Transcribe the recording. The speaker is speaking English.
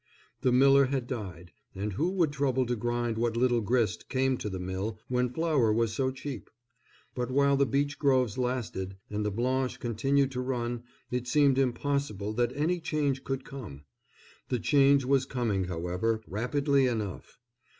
The miller had died; and who would trouble to grind what little grist came to the mill, when flour was so cheap? But while the beech groves lasted, and the Blanche continued to run, it seemed impossible that any change could come. The change was coming, however, rapidly enough.